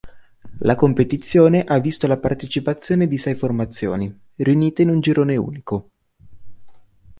La competizione ha visto la partecipazione di sei formazioni, riunite in un girone unico.